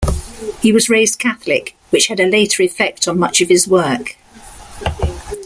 He was raised Catholic, which had a later effect on much of his work.